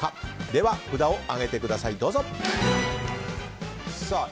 では札を上げてください、どうぞ。